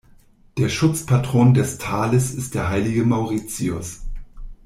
Der Schutzpatron des Tales ist der heilige Mauritius.